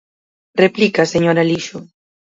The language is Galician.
Replica, señor Alixo.